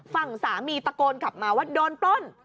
ฝั่งสามีตะโกนกลับมาว่าโดนปล้น